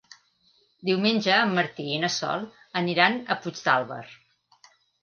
Diumenge en Martí i na Sol aniran a Puigdàlber.